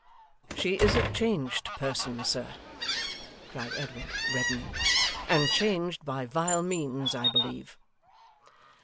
'She is a changed person, sir,' cried Edward, reddening; 'and changed by vile means, I believe.